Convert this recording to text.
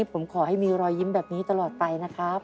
ผมขอให้มีรอยยิ้มแบบนี้ตลอดไปนะครับ